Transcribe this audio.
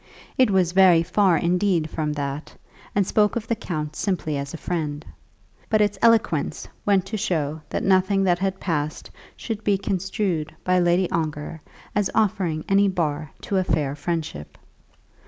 It was very far indeed from that, and spoke of the count simply as a friend; but its eloquence went to show that nothing that had passed should be construed by Lady Ongar as offering any bar to a fair friendship.